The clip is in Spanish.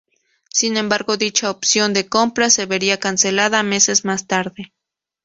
Sin embargo, dicha opción de compra se vería cancelada meses más tarde.